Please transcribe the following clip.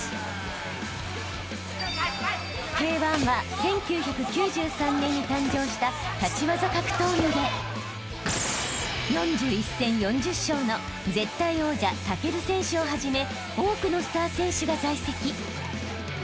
［Ｋ−１は１９９３年に誕生した立ち技格闘技で４１戦４０勝の絶対王者武尊選手をはじめ多くのスター選手が在籍］